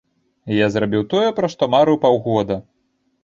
Я зрабіў тое, пра што марыў паўгода.